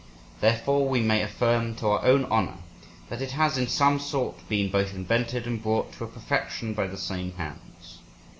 Therefore we may affirm, to our own honour, that it has in some sort been both invented and brought to a perfection by the same hands.